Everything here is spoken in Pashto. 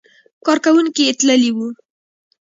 کارکوونکي یې تللي وو.